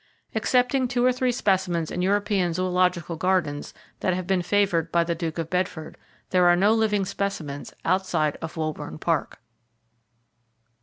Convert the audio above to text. Excepting two or three specimens in European zoological gardens that have been favored by the Duke of Bedford, there are no living specimens outside of Woburn Park.